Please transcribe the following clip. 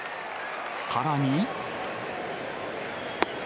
さらに。